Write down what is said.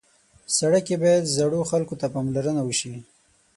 سړک کې باید زړو خلکو ته پاملرنه وشي.